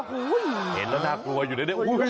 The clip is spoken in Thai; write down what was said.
เห็นแล้วน่ากลัวอยู่ในนี้